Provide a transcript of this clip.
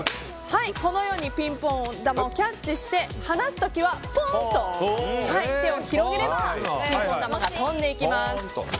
このようにピンポン球をキャッチして放す時はポーンと手を広げればピンポン球が飛んでいきます。